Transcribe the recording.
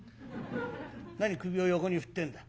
何首を横に振ってんだ。